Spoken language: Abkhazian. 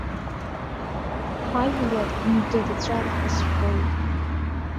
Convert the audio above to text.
Ҳажәлар ндырҵәар ҳәа сшәоит.